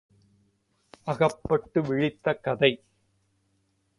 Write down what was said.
அகப்பட்டு விழித்த கதை.